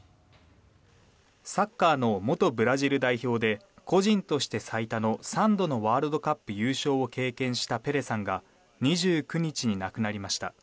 サッカーの元ブラジル代表で個人として最多の３度のワールドカップ優勝を経験したペレさんが２９日に亡くなりました。